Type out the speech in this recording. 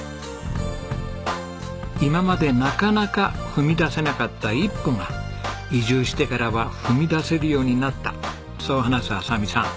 今までなかなか踏み出せなかった一歩が移住してからは踏み出せるようになったそう話す亜沙美さん。